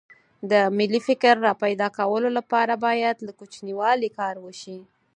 د ملي فکر راپیدا کولو لپاره باید له کوچنیوالي کار وشي